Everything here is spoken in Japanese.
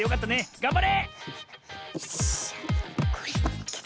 がんばれ！